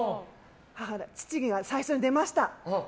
父が最初に出ました。